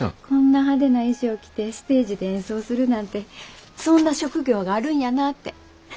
こんな派手な衣装着てステージで演奏するなんてそんな職業があるんやなあって。